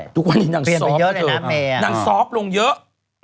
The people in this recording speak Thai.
ทุกวันนี้นางซอฟต์นางซอฟต์ลงเยอะ